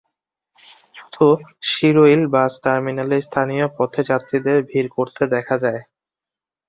শুধু শিরোইল বাস টার্মিনালে স্থানীয় পথে যাত্রীদের ভিড় করতে দেখা যায়।